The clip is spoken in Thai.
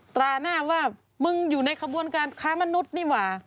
ตราหน้าว่ามึงอยู่ในขบวนการค้ามนุษย์นี่หว่า